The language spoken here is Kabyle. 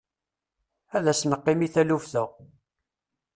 Ad as-neqqim i taluft-a.